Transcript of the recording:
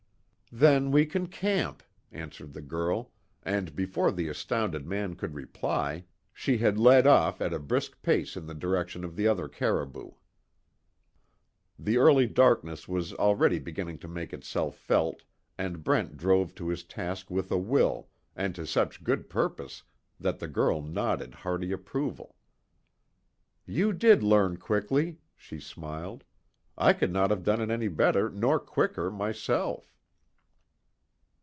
"Then we can camp," answered the girl, and before the astounded man could reply, she had led off at a brisk pace in the direction of the other caribou. The early darkness was already beginning to make itself felt and Brent drove to his task with a will, and to such good purpose that the girl nodded hearty approval. "You did learn quickly," she smiled, "I could not have done it any better nor quicker, myself."